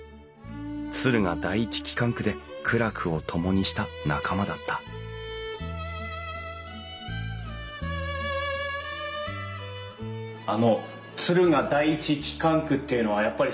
敦賀第一機関区で苦楽を共にした仲間だったあの敦賀第一機関区っていうのはやっぱりすごかったんですか？